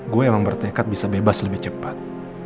gue emang bertekad bisa bebas lebih cepat